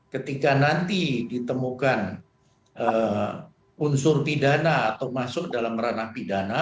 ketika nanti ditemukan unsur pidana atau masuk dalam ranah pidana